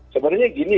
sebenarnya gini ya